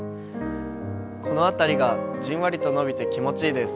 この辺りがじんわりと伸びて気持ちいいです。